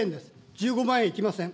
１５万円いきません。